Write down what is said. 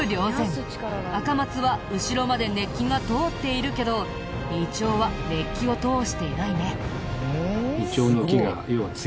アカマツは後ろまで熱気が通っているけどイチョウは熱気を通していないね。